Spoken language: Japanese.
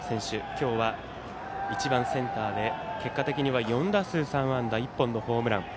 今日は１番センターで結果的には４打数３安打、１本のホームラン。